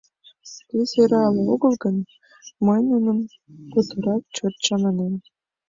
Кӧ сӧрале огыл гын, мый нуным путырак чот чаманем...